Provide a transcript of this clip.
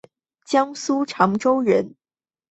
江苏长洲人。